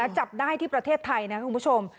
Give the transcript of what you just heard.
จับได้ที่ประเทศไทยนะคุณผู้ชม